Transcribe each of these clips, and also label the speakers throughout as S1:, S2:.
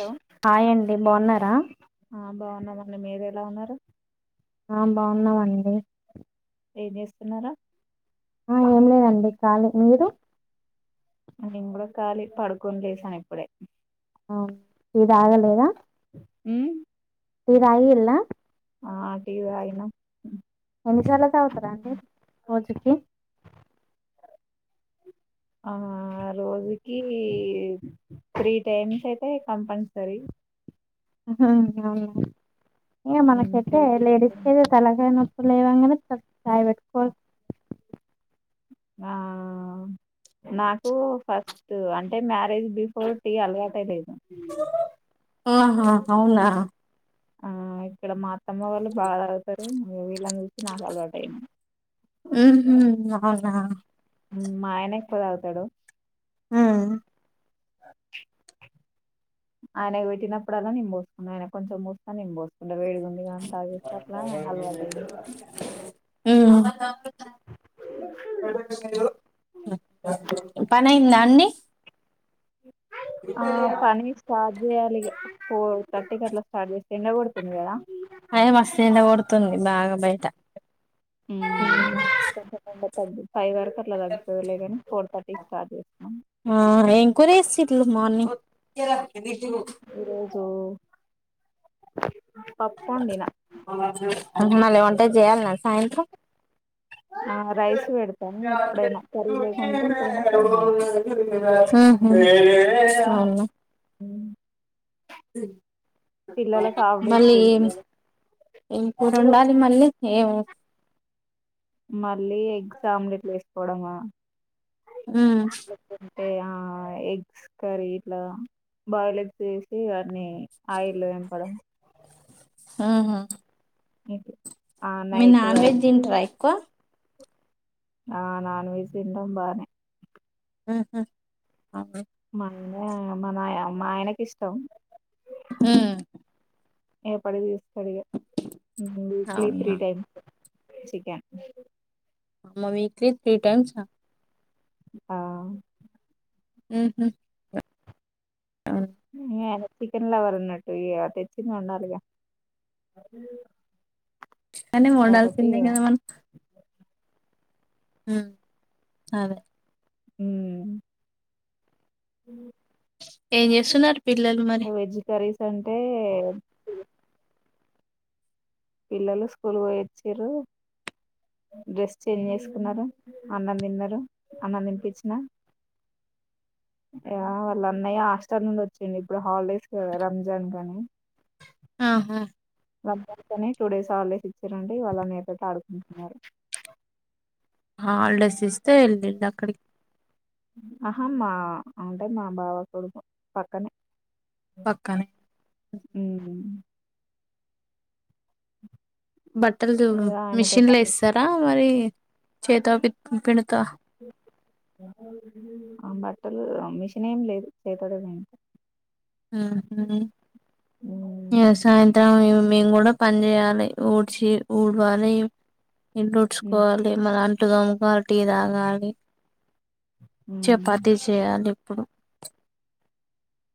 S1: Hello
S2: హాయండి బాగున్నారా
S1: అన్నామని మీర ఎలా ఉన్నారు
S2: ఆ బాగున్నావండి
S1: ఏం చేస్తున్నారా
S2: ఆ ఏం లేదండి ఖాళీ మీరు
S1: నేను కూడా ఖాలీ పడుకొని లేసాను ఇప్పుడే
S2: అవును ఇదిగలేదా
S1: హ
S2: మీ రయి ఇలా
S1: ఆ టీవయిన
S2: ఎన్నిసార్లు త అవుతారా అండి రోజుకి
S1: ఆ రోజుకి త్రీ టైమ్స్ అయితే కంపల్సరీ
S2: హా ఏయ మనకైతే లేడీస్ కైతే తలకాయ పలైవాంగన [unintelligible]
S1: ఆ నాకు ఫస్ట్ అంటే మ్య రేజ్ బిఫోర్ టీ అలవాట లేదు
S2: ఆహా అవునా
S1: ఆ ఇక్కడ మా అతమ్మ వాళ్ళు బాగా తాగుతారు అది వేళ్ళ నుంచి నక్ అలవాట్ అయింది
S2: ఉహు అవునా
S1: మా ఆయనే ఎక్కువ తగుతాడు
S2: ఉమ్
S1: ఆయనకు పెట్టిప్పుడల్ల నిం పోసున్నా ఆయన కొంచెం పోస్తా నిం పోసు అ వేడి గుందిగా అని తగేస్త అట్లా అలవాటు అయింది
S2: ఉ పని అయిందా అండి
S1: ఆ పని స్టార్ట్ జెయాలిగా ఫోర్ థర్టీకి అట్లా స్టార్ట్ చేస్తే ఎండకోడుతుంది కదా
S2: బయటా
S1: హ్మ ఫైవ్ వరకు అట్లా తగ్గుతలే కాని ఫోర్ థర్టీకి స్టార్ట్ చేస్తాం
S2: ఆ ఏం కూర చేసిల్లు మార్నింగ్
S1: ఈరోజు వండిన
S2: మళ ఏం అ జయాలన సాయంత్రం
S1: ఆ రైస్ పెడతాను ఎప్పుడైనా
S2: అవునా
S1: కరీ లేకుంటేనా కర అంటాం
S2: అవును
S1: పిల్లలకు హాఫ్ డే
S2: మళ్ళీ
S1: స్కూల్స్ కదా
S2: ఇంప్పుడు ఉండాలి మళ్ళీ ఏం
S1: మళ్ళీ ఎగ్జామ్లెట్లు వేసుకోవడమా
S2: హ్మ
S1: అంటే ఎగ్స్ కర్రీ ఇట్లా బాయిల్ ఎగ్స్ వేసి అన్ని ఆయిల్ వేపడం
S2: హ్మ హ్మ
S1: [unintelligible]
S2: మీర్
S1: నైట్
S2: నాన్ వెజ్
S1: వరకి
S2: తింటారా ఏకువ
S1: ఆ నాన్ వెెజ్ తింటాం బానే
S2: హ్మ హ్మ అవును
S1: మా నా మా ఆయనకి ఇష్టం
S2: ఉమ్
S1: ఏ పడిదిస్ సరిగా ఉమ్ వీక్లీ త్రీ
S2: అవునా
S1: టైమ్స్ చికెన్
S2: అమ్మ వీక్లీ త్రీ టైమ్సా
S1: ఆ
S2: ఉమ్ హు
S1: ఎ చికెన్ లవర్ ఉన్నట్టు ఇగ తెచ్చింది వండాలిగా
S2: చికెన్ ని
S1: కాబట్టి
S2: వండాల్సిందే
S1: ఇగ
S2: గా మనం ఉమ్ అదే
S1: ఉమ్ ఉ
S2: ఏం చేస్తున్నారు పిల్లలు మరి
S1: వెజ్ కర్రీస్ అంటే పిల్లలు స్కూల్ పోయి వచ్చిర్రు డ్రెస్ చేంజ్ చేసుకున్నారు అన్నం తిన్నారు అన్నం తినిపించిన ఇగ వాళ్ళన్నయ్య హాస్టల్ నుండి వచ్చిండు ఇప్పుడు హాలిడేస్ రంజాన్ కని
S2: ఆహా
S1: రంజాన్కని టూ డేస్ హాలిడేస్ ఇచ్చారంటే వాళ్ళ అన్నయ్య తోటి ఆడుకుంటున్నారు
S2: హాలిడేస్ ఇస్తే వెళ్ళండక్కడికి
S1: ఆహా మా అంటే మా బావ కొడుకు పక్కనే
S2: పక్కనే
S1: ఉమ్ మ్
S2: బట్టలు మిషన్ లో
S1: ఆడుకుంటున్నారు
S2: ఎస్తరా మరి చేతో పి పిండుతా
S1: ఆ బట్టలు మిషన్ ఏం లేదు చేతినే పిండుతా
S2: ఉమ్ హు ఇంగ సాయంత్రం మేము కూడా పని చేయాలి ఊడ్చి ఊడ్వాలి ఇండ్లు
S1: ఉమ్
S2: ఊడుచుకోవాలి ట్లుతోముకొని టీ తాగాలి
S1: ఉమ్
S2: చపాతీ చేయాలిప్పుడు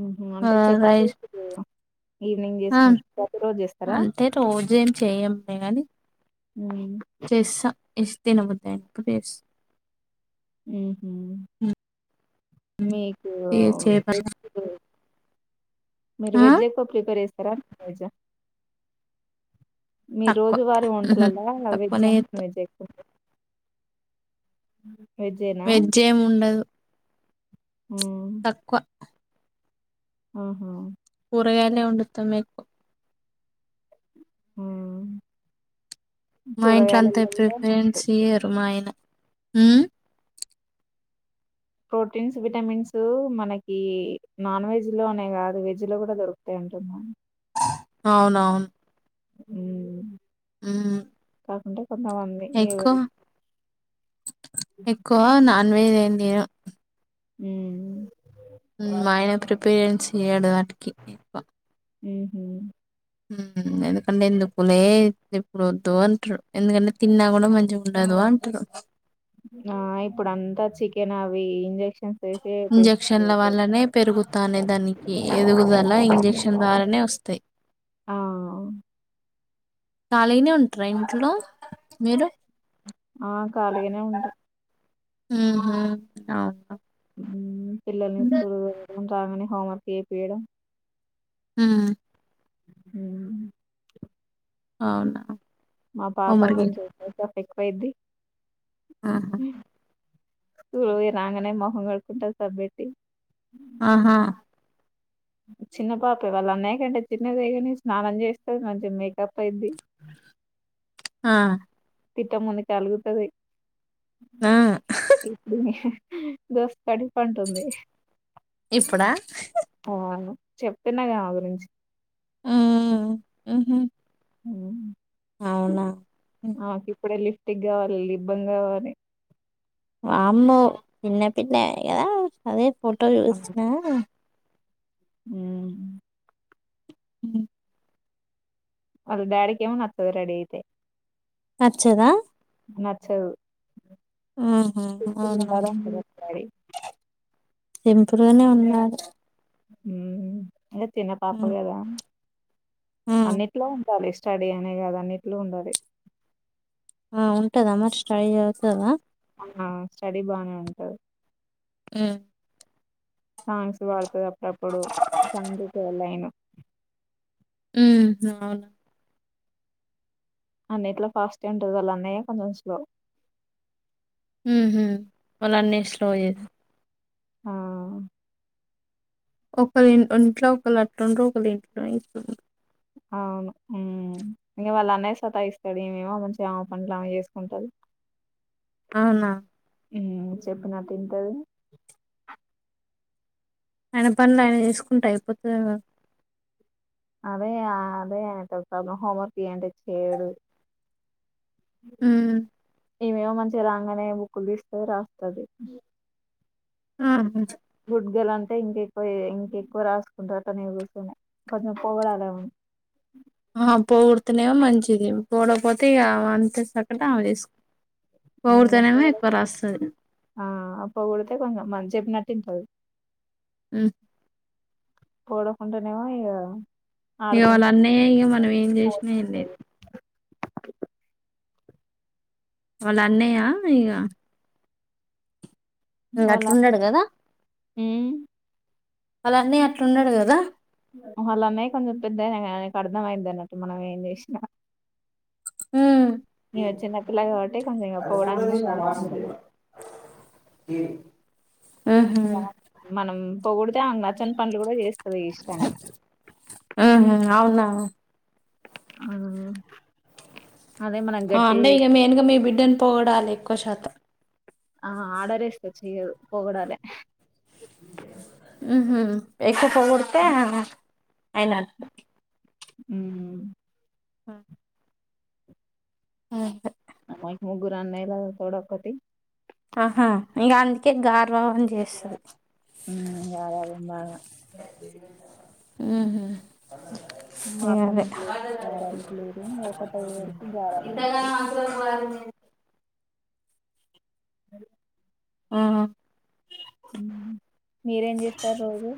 S1: ఉమ్ హు
S2: ఆ
S1: అంటే చపాతి
S2: రైస్
S1: ఈవినింగ్
S2: ఆ
S1: చేసుకుంట ప్రతి రోజు చేస్తారా
S2: అంటే రోజు ఏం చెయ్యంలే గాని
S1: ఉమ్
S2: చేస్తా ఎస్ తినబుద్ధి అయినప్పుడు చేస్తా
S1: ఉమ్ హు మీకూ
S2: ఏ చేపల
S1: మీరు
S2: ఆ
S1: వెజ్ ఎక్కువ ప్రిపేర్ చేస్ ర మీ
S2: తక్కువ
S1: రోజు వారీ
S2: ఉహు
S1: వంటలలా వెజ్జా
S2: తక్కువనే
S1: నాన్
S2: చేత్తం
S1: వెజ్ ఎక్కువ ఉమ్
S2: వెజ్ ఏముండదు తక్కువ
S1: ఉహూ
S2: కూరగాయలే వండుతాం ఎక్కువ
S1: ఉమ్
S2: మా ఇంట్లో అంతా ప్రిపరెన్స్
S1: ఉంటాయి
S2: ఇయ్యరు మా ఆయన ఉమ్
S1: ప్రోటీన్స్ విటమిన్స్ మనకి నాన్ వెజ్ లోనే కాదు వెజ్ లో కూడా దొరుకుతాయి అంటున్న
S2: అవునవును
S1: ఉమ్
S2: ఉమ్
S1: కాకుండా
S2: ఎక్కువ ఎక్కువ నాన్ వెజ్ ఏదో
S1: ఉమ్
S2: ఉమ్ మా ఆయన ప్రిఫరెన్స్ ఇయ్యడు అని ఓకే పా
S1: ఉహూ
S2: ఉమ్ ఎందుకంటే ఎందుకులే ఇప్పుడు వద్దు అంటారు ఎందుకంటే తిన్నా కూడా మంచిగా ఉండదు అంటారు
S1: ఆ ఇప్పుడు అంతా చికెన్ అవి ఇంజక్షన్
S2: ఇంజక్షన్ల వల్లనే పెరుగుతానే దానికి ఎదుగుదల ఇంజక్షన్ ద్వారానే వస్తాయి
S1: ఆ
S2: ఖాళీగనే ఉంటరా ఇంట్లో మీరు
S1: ఆ ఖాళీగానే ఉంటా
S2: ఉహూ అవునా
S1: మ్మ్ పిల్లల్ని స్కూల్ ఇంటికి రాగానే హోమ్వర్క్ చేపియడం
S2: ఉమ్
S1: ఉమ్
S2: అవునా
S1: మా పాప
S2: హోంవర్క్ చే
S1: కొంచెం ఎక్కువైద్ది
S2: ఆహా
S1: చూడు ఇంగ రాంగానే మొహం కడుక్కుంటది సబ్బెట్టి
S2: ఆహా
S1: చిన్న పాపే వాళ్ళు అన్నయ్య కంటే చిన్నదే గాని స్నానం చేస్తది మంచిగా మేకప్ అయిద్ది
S2: ఆ
S1: తిట్టక్ ముందుకె అలుగుతది. ఆ ఇప్పుడు మే దోస్త్ కటీఫ్ అంటుంది.
S2: ఇప్పుడా?
S1: ఆ చెప్తున్నాగా ఆమె గురించి. అ
S2: ఆహ
S1: మ్
S2: అవునా!
S1: ఆ కిప్పుడె లి టిక్ కావాలి. లిబ్బామ్ కావాలి.
S2: వామ్మో చిన్న పిల్ల అ కదా! అదేస్ కోటం తెలుసునా?
S1: మ్మ్
S2: మ్
S1: వాళ్ల డాడీకేమో నత్తదు రెడీ అయితే.
S2: నచ్చదా?
S1: నచ్చదు
S2: ఆహా అవునా!
S1: ఉండాలంటది వాళ్ళ డాడీ
S2: టెంపురోనె ఉన్నారు.
S1: మ్ ఇంకా తిన పాప
S2: ఉమ్
S1: కదా!
S2: ఉమ్
S1: అన్నిట్లో ఉంటాలి ఇష్ స్టడీ అనే కాదు అన్నిట్లో ఉండాలి.
S2: ఆ ఉంటదా మరి స్ట్రై చేస్తదా?
S1: ఆ స్టడీ బానే ఉంటాది.
S2: మ్
S1: సాంగ్స్ పాడుతది అప్ తప్పుడు తండ్రికి వెల్లయినా
S2: మ్ అవును
S1: అన్నిట్లో ఫస్ట్ ఉంటది. వాళ్ అన్నయ్య కొంచెం స్లో.
S2: మ్ హు. వాళ్ అన్నయ్య స్ల్ టో చేస్
S1: ఆ
S2: ఒక లిన్, ఇంట్లో ఒకల్లట్లుంటరు ఒకల్ ఇట్ల ఇట్లుంటరు.
S1: అవును. మ్, ఇంకా వాళ్ అన్నయ్య సతాయిస్తడు. ఈమేమో మంచిగా ఆమే పనులు ఆమె చేసుకుంటది.
S2: అవునా?
S1: మ్ చెప్పినా తింటది.
S2: ఆయన పనులు ఆయన చేసుకుంటే, అయిపోతదిగా?
S1: అదే అదే ఆయనతోటి ప్రాబ్లం. హోంవర్క్ చెయ్ అంటే చెయడు.
S2: హు
S1: ఇమేమో మంచిగా రాగానే బుక్కులు తీసుకొని రాస్తుది
S2: ఆ
S1: కుడ్గాలంటే ఇంకెక్కువ ఇంకెక్కువ రాసుకుంటారట నీ కూర్చొ కొంచెం పోగడాల ఏమని
S2: ఆ పోగుడుతునేవాో మంచిది పడపోతే ఇక అంతే చక్కటి ఆమె తీసుకు
S1: అ ఆ అప్పు కూడాతే కొంగ మంచి చెప్పినట్టు వింటది
S2: ఆ
S1: పోడకుండానేమో ఇక
S2: ఇక వాళ్ళ అన్నయ్య ఇక మనం ఏం చేసినా ఏం లేదు వాళ్ళు అన్నయ్య ఇక
S1: వాళ్ళ
S2: అట్లుండడు కదా అలానే అట్లున్నాడు కదా
S1: అలానే కొంచెం పెద్దయినా కానికి అర్థమయింది అన్నట్టు మనం ఏం చేసిన కాబట్టి కొంచెం ఇగ పొగడంగానే రాసుకుంటది
S2: [unintelligible] ఉహు
S1: మనం పొగుడుతే ఆమె నచ్చని పనులు కూడా చేస్తుంది ఇష్టంగా
S2: ఉహు అవునా
S1: ఆ
S2: ఆ [unintelligible] బిడ్డన్ పొగడాలి ఎక్కువ శాతం
S1: ఆ ఆడరే ఇస్త చెయదు పోగడాలే
S2: ఉహు అక్ [unintelligible] అయన
S1: ఉమ్
S2: హ హ
S1: ముగ్గురు అన్నయ్యలు [unintelligible] ఒక్కటి
S2: ఆహా ఇంకా అందుకేగా గారాబం చేస్తది
S1: ఉమ్ గారాబం బాగా
S2: ఉహు
S1: మా
S2: అ
S1: అత్తమ్మకు లేరు
S2: అదే
S1: గారాలు లేరు ఒకటే వరకు
S2: ఇంత
S1: గారాబం అ
S2: ఆ
S1: మీరేం చేస్తారు రోజు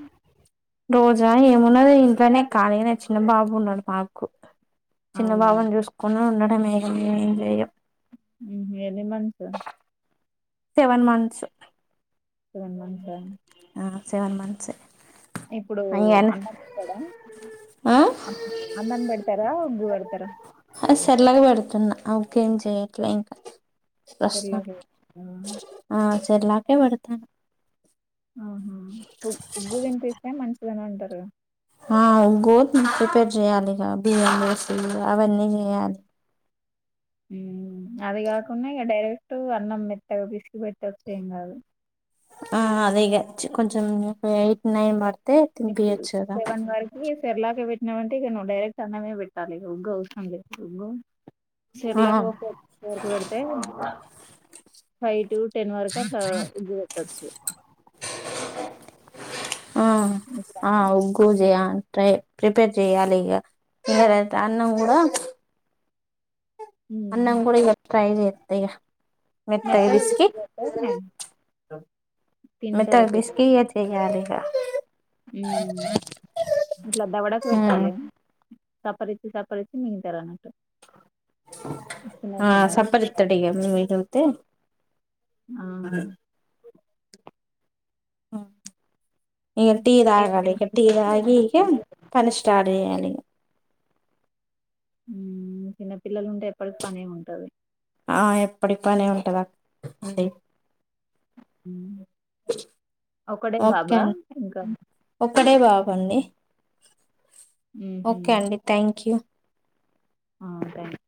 S2: రోజా ఏమున్నది ఇంట్లోనే ఖాళీగానే చిన్న బాబు ఉన్నాడు మాకు చిన్న
S1: అవునా
S2: బాబును చూసుకున్న ఉన్నట్ అమే ఎంజేయం
S1: ఉహు ఎన్ని మంత్స్ రా?
S2: Seven months.
S1: సెవెన్ మంత్స్ ఆ
S2: ఆ సెవెన్ మంత్స్ ఏ
S1: ఇప్పుడు అన్న తాడా,
S2: ఆ
S1: అన్నం పెడతారా ఉగ్గు పెడతారా?
S2: అ సర్లగా పెడుతున్నా అవ్ ఇంకేం చేయట్లే ఇంకా ప్రస్తుతం
S1: పెర్లాకు
S2: ఆ చే చెల్లాకే పడుతాన్
S1: ఆహ ఉగ్గు తింటే ఇట మంచి ఇంట్లోనే ఉంటరుగా
S2: ఆ గో ప్రిపేర్ చెయ్యాలిగ బియ్యం వస్తులు అవన్నీ చేయాలి.
S1: అది కాకుండా ఇగ డైరెక్ట్ అన్నం మెత్తగా పిసికి పెట్టొచ్చు ఏం కాదు.
S2: ఆ అదేగా చ్ కొంచెం ఎయిట్ నైన్ బడ్ తే తింపియచ్చుగద
S1: తెర్లాకే పెట్టినావ అంటే ఇక నువ్వుడైరెక్ట్ అన్నమే పెట్టాలిగ ఉగ్గు అవసరంలే ఉగ్గు సిర్లాకి
S2: ఆ
S1: ఒక ఫోర్ వరకు పెడితే ఫైవ్ టు టెన్ వరకు అట్లా ఉగ్గు పెట్టచ్చు.
S2: ఆ ఆ ఉగ్గు జెయా టై ప్రిపేర్ చెయాలి ఇగ, ఇగరైతే అన్నం గుడ అన్నం గుడ ఇగ ట్రై జేత్త ఇగ మెత్తగా
S1: మెత్తగ
S2: పిసికి
S1: బిస్కి చెత్తే
S2: మెత్తగా బిస్కీ ఇగ చేయాలి. త
S1: ఉమ్ ఇట్లా దవడకు
S2: ఉమ్
S1: పెట్టాలె. సప్పరిచ్చి సప్పరిచ్చి మింగుతరన్న
S2: ఆ
S1: చిన్నగా
S2: సప్పరిత్తడిగ మిగుల్తే ఆ ఇక టీ
S1: ఏమైనా
S2: తాగాలిగా టీ
S1: చిన్నగా
S2: తాగి ఇగ
S1: అనిపిస్తారు.
S2: పని స్టార్ట్ చేయాలె ఇగ
S1: ఉమ్ చిన్న పిల్లలు ఉం
S2: ఆ ఎప్పుడికి పనే టద
S1: ఒకడే
S2: ఓకే
S1: బాబా
S2: అండి
S1: ఇంక
S2: ఒక్కటే బాబు అండి ఓకే అండి థ్యాంక్ యూ
S1: ఆ థాంక్